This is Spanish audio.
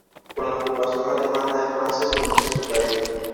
Con la ocupación alemana de Francia se inicia su caída.